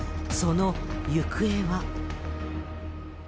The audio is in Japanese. その行方は。